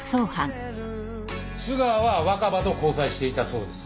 須川は若葉と交際していたそうです。